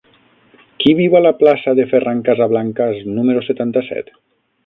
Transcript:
Qui viu a la plaça de Ferran Casablancas número setanta-set?